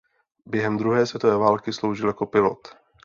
Během druhé světové války sloužil jako pilot.